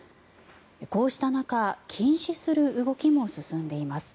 こうした中禁止する動きも進んでいます。